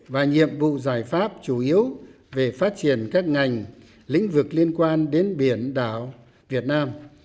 và nhiệm vụ giải pháp chủ yếu về phát triển các ngành lĩnh vực liên quan đến biển đảo việt nam